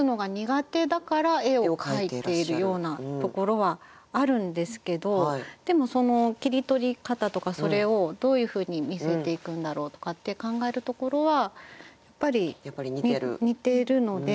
ようなところはあるんですけどでもその切り取り方とかそれをどういうふうに見せていくんだろうとかって考えるところはやっぱり似てるので。